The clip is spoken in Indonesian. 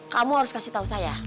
kamu harus kasih tahu saya